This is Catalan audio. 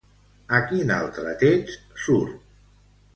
A quin altre text surt?